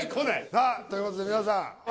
さあということで皆さん・え！